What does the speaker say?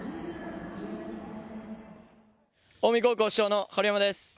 近江高校主将の春山です。